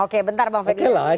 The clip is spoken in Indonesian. oke bentar bang ferdinand